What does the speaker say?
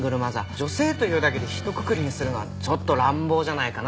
女性というだけでひとくくりにするのはちょっと乱暴じゃないかな。